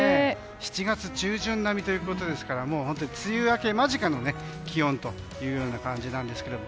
７月中旬並みということですからもう梅雨明け間近の気温という感じなんですけど。